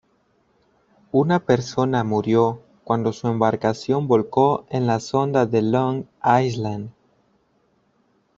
Una persona murió cuando su embarcación volcó en la Sonda de Long Island.